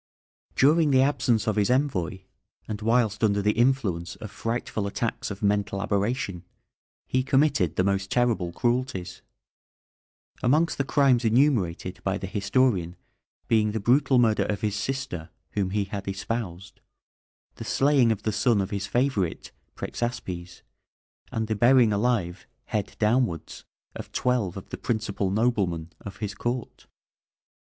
During the absence of his envoy, and whilst under the influence of frightful attacks of mental aberration, he committed the most terrible cruelties, amongst the crimes enumerated by the historian being the brutal murder of his sister, whom he had espoused; the slaying of the son of his favourite, Prexaspes, and the burying alive head downwards of twelve of the principal noblemen of his court.